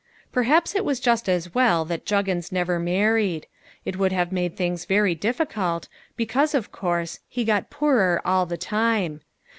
Perhaps it was just as well that Juggins never married. It would have made things very difficult because, of course, he got poorer all the time.